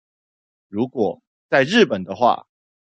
如果在日本的話